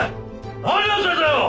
何やってんだよ！